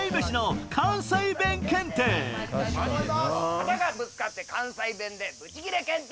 肩がぶつかって関西弁でブチギレ検定。